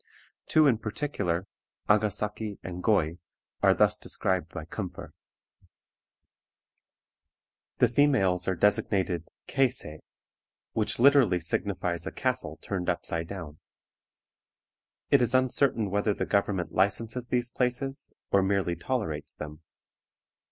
Two in particular, Agasaki and Goy, are thus described by Koempfer. The females are designated Keise, which literally signifies a castle turned upside down. It is uncertain whether the government licenses these places, or merely tolerates them.